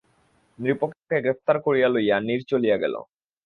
নৃপকে গ্রেফতার করিয়া লইয়া নীর চলিয়া গেল।